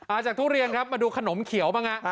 จากทุเรียนครับมาดูขนมเขียวบ้างฮะ